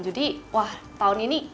jadi wah tahun ini